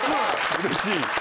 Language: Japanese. うれしい。